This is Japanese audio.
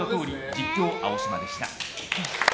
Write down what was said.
実況、青嶋でした。